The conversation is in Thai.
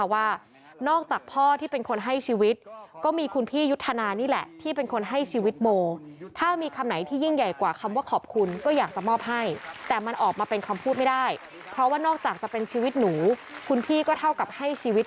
ว่านอกจากพ่อที่เป็นคนให้ชีวิต